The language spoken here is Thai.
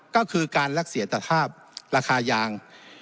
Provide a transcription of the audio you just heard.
ก็คือการรักษาสภาพราคายาง